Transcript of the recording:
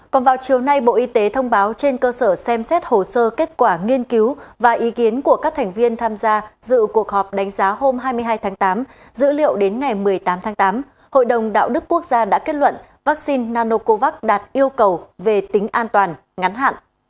còn vào chiều nay bộ y tế thông báo trên cơ sở xem xét hồ sơ kết quả nghiên cứu và ý kiến của các thành viên tham gia dự cuộc họp đánh giá hôm hai mươi hai tháng tám dữ liệu đến ngày một mươi tám tháng tám hội đồng đạo đức quốc gia đã kết luận vaccine nanocovax đạt yêu cầu về tính an toàn ngắn hạn